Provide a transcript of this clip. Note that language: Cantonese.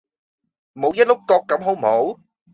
唔好一碌葛咁好唔好